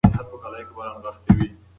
په عمومي ډول ډیوډرنټ الکول لري.